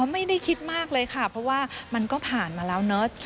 ไม่ได้คิดมากเลยค่ะเพราะว่ามันก็ผ่านมาแล้วเนอะ